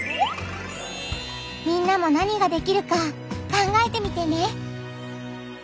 みんなも何ができるか考えてみてね！